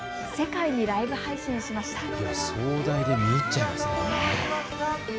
世界にライブ配信しました。